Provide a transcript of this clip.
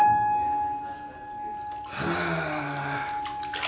はあ。